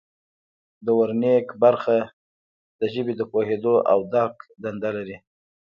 د ورنیک برخه د ژبې د پوهیدو او درک دنده لري